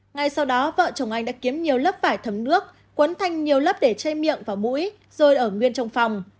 ngay sau đó vợ chồng anh đã kiếm nhiều lớp vải thấm nước quấn thành nhiều lớp để chây miệng và mũi rồi ở nguyên trong phòng